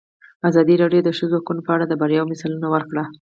ازادي راډیو د د ښځو حقونه په اړه د بریاوو مثالونه ورکړي.